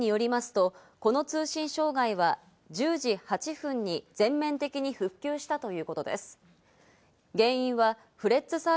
ＮＴＴ東日本によりますと、この通信障害は１０時８分に全面的に復旧したということです。